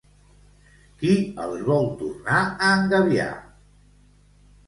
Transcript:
Qui els vol tornar a engabiar?